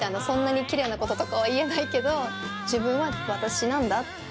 そんなにキレイなこととかは言えないけど自分は私なんだ。